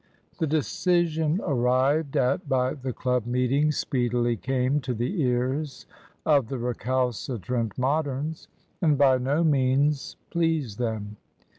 The decision arrived at by the club meeting speedily came to the ears of the recalcitrant Moderns, and by no means pleased them.